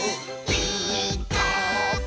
「ピーカーブ！」